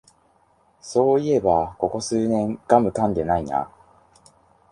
そういえばここ数年ガムかんでないな